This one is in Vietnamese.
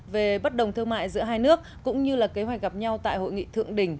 về bất đồng thương mại giữa hai nước cũng như là kế hoạch gặp nhau tại hội nghị thượng đỉnh